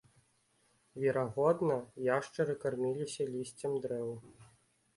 Верагодна, яшчары карміліся лісцем дрэў.